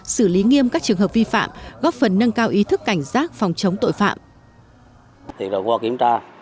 xử lý nghiêm các trường hợp vi phạm góp phần nâng cao ý thức cảnh giác phòng chống tội phạm